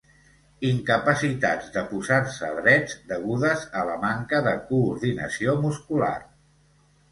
Incapacitats de posar-se drets, degudes a la manca de coordinació muscular.